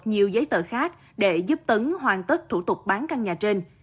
nhiều giấy tờ khác để giúp tấn hoàn tất thủ tục bán căn nhà trên